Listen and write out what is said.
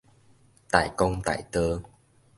大公大道